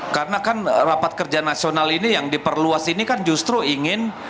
karena kan rapat kerja nasional ini yang diperluas ini kan justru ingin